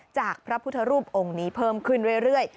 จากพระพุทธรูปองค์นี้เพิ่มขึ้นเรื่อย